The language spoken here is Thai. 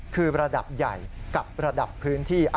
คือระดับใหญ่กับระดับพื้นที่